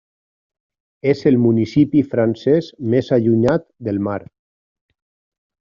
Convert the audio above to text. És el municipi francès més allunyat del mar.